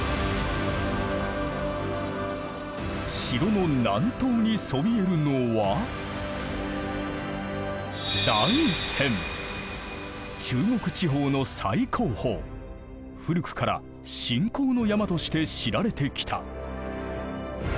城の南東にそびえるのは中国地方の最高峰古くから信仰の山として知られてきた。